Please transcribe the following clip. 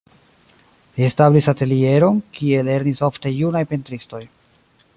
Li establis atelieron, kie lernis ofte junaj pentristoj.